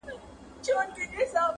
د يو سري مار خوراك يوه مړۍ وه!